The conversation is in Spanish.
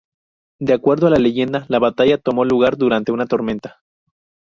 De acuerdo a la leyenda, la batalla tomó lugar durante una tormenta.